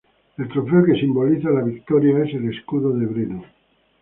El trofeo que simboliza la victoria es el Escudo de Breno.